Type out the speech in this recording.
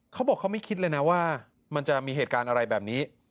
เขาบอกเขาไม่คิดเลยนะว่ามันจะมีเหตุการณ์อะไรแบบนี้